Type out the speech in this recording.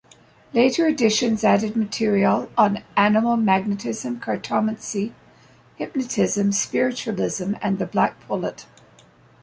Later editions added material on animal magnetism, cartomancy, hypnotism, Spiritualism, and "The Black Pullet".